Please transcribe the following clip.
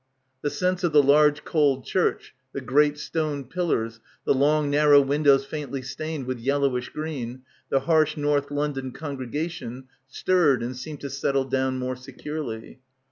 The sense of the large cold church, the great stone pillars, the long nar row windows faintly stained with yellowish green, the harsh North London congregation stirred and seemed to settle down more securely.